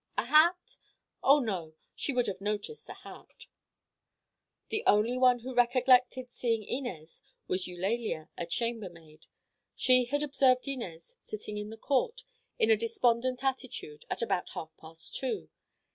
A hat? Oh, no. She would have noticed a hat. The only one who recollected seeing Inez was Eulalia, a chambermaid. She had observed Inez sitting in the court, in a despondent attitude, at about half past two.